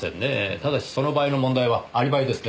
ただしその場合の問題はアリバイですね。